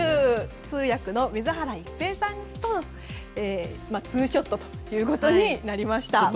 通訳の水原一平さんとツーショットということになりました。